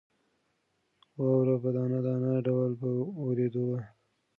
واوره په دانه دانه ډول په وورېدو وه.